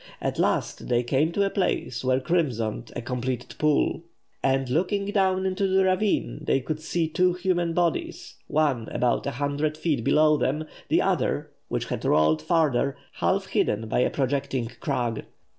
At last they came to a place where crimsoned a complete pool; and looking down into the ravine, they could see two human bodies, one about a hundred feet below them, the other, which had rolled farther, half hidden by a projecting crag.